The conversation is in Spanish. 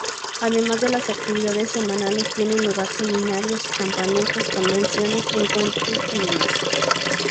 Además de las actividades semanales, tienen lugar seminarios, campamentos, convenciones, encuentros y demás.